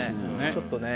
ちょっとね。